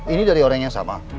ini dari orang yang sama